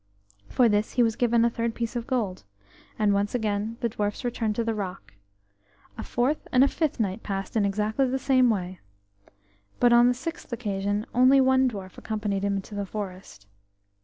For this he was given a third piece of gold, and once again the dwarfs returned to the rock. A fourth and a fifth night passed in exactly the same way, but on the sixth occasion only one dwarf accompanied him to the forest.